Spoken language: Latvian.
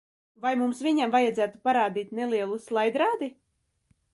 Vai mums viņam vajadzētu parādīt nelielu slaidrādi?